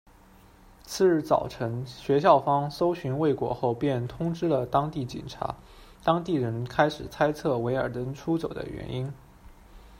次日早晨，学校方搜寻未果后便通知了当地警察，当地人开始猜测韦尔登出走的原因。